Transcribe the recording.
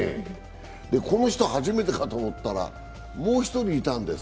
この人初めてかと思ったらもう一人いたんです。